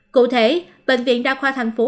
cụ thể bệnh viện đa khoa thành phố